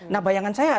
nah bayangan saya adalah